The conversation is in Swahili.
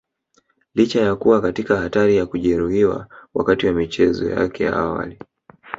Licha ya kuwa katika hatari ya kujeruhiwa wakati wa michezo yake ya awali